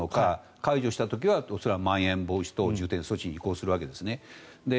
解除した時はまん延防止等重点措置に移行するわけですね。